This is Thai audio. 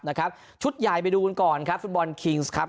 นะครับชุดใหญ่ไปดูกันก่อนครับฟุตบอลคิงส์ครับ